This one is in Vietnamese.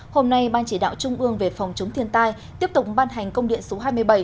hôm nay ban chỉ đạo trung ương về phòng chống thiên tai tiếp tục ban hành công điện số hai mươi bảy